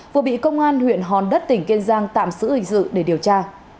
vừa bị công an huyện hòn đất tỉnh kiên giang tạm xử hình dự để điều tra